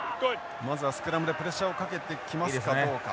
まずはスクラムでプレッシャーをかけてきますかどうか。